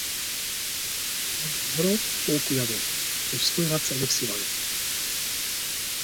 Колку орал толку јадел, со свои раце леб си вадел.